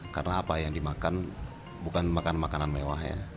karena apa yang dimakan bukan makanan makanan mewah ya